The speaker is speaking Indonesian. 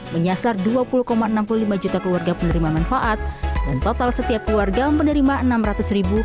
menyasar dua puluh enam puluh lima juta keluarga penerima manfaat dan total setiap keluarga menerima rp enam ratus ribu